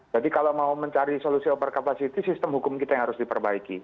jadi kalau mau mencari solusi over capacity sistem hukum kita yang harus diperbaiki